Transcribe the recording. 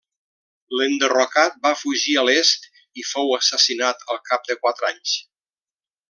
L'enderrocat va fugir a l'est i fou assassinat al cap de quatre anys.